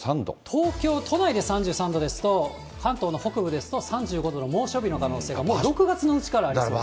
東京都内で３３度ですと、関東の北部ですと、３５度の猛暑日の可能性がもう６月のうちからありそう。